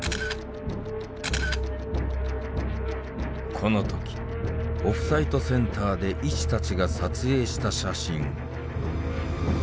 この時オフサイトセンターで医師たちが撮影した写真。